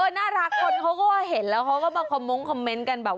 น่ารักคนเขาก็เห็นแล้วเขาก็มาคอมมงคคอมเมนต์กันแบบ